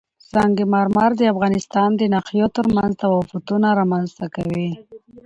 سنگ مرمر د افغانستان د ناحیو ترمنځ تفاوتونه رامنځ ته کوي.